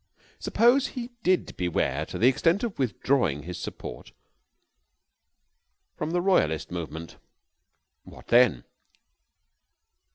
Suppose he did beware to the extent of withdrawing his support from the royalist movement, what then?